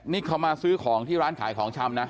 นี่เขามาซื้อของที่ร้านขายของชำนะ